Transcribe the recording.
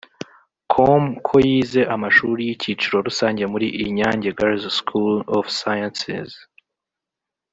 com ko yize amashuri y’Icyiciro Rusange muri Inyange Girls School of Sciences